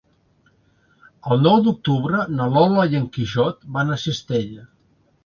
El nou d'octubre na Lola i en Quixot van a Cistella.